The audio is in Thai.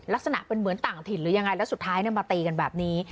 ลักษณะเป็นเหมือนต่างถิ่นหรือยังไงแล้วสุดท้ายมาตีกันแบบนี้